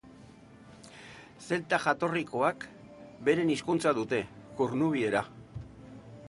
Zelta jatorrikoak, beren hizkuntza dute: kornubiera.